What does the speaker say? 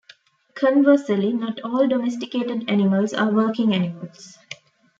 Conversely, not all domesticated animals are working animals.